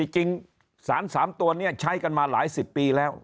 จริงสาร๓ตัวนี้ใช้กันมาหลายสิบปีแล้ว